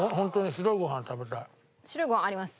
白いご飯あります。